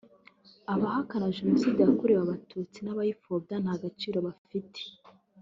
abahakana Jenoside yakorewe abatutsi n’abayipfobya nta gaciro bafite